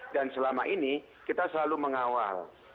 dan selama ini kita selalu mengawal